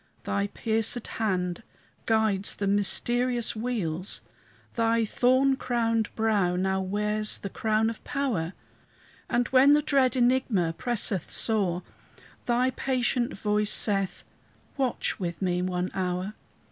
Thy piercèd hand guides the mysterious wheels; Thy thorn crowned brow now wears the crown of power; And when the dread enigma presseth sore, Thy patient voice saith, "Watch with me one hour."